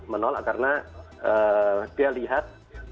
menolak karena dia lihat